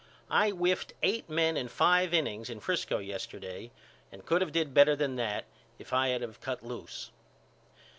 I whiffed eight men in five innings in Frisco yesterday and could of did better than that if I had of cut loose.